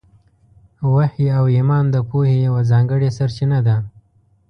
وحي او ایمان د پوهې یوه ځانګړې سرچینه ده.